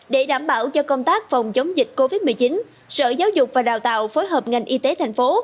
để đảm bảo cho công tác phòng chống dịch covid một mươi chín sở giáo dục và đào tạo phối hợp ngành y tế thành phố